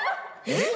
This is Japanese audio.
えっ！？